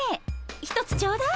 １つちょうだい。